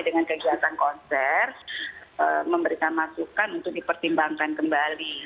dengan kegiatan konser memberikan masukan untuk dipertimbangkan kembali